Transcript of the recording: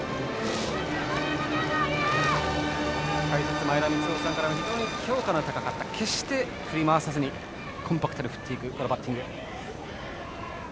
解説、前田三夫さんからも非常に評価の高かった決して振り回さずにコンパクトに振っていくバッティング。